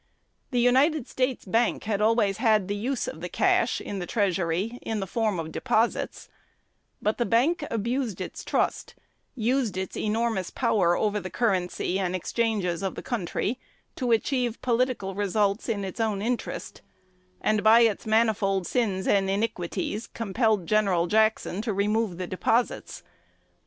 The United States Bank had always had the use of the cash in the treasury in the form of deposits; but the bank abused its trust, used its enormous power over the currency and exchanges of the country to achieve political results in its own interest, and, by its manifold sins and iniquities, compelled Gen. Jackson to remove the deposits.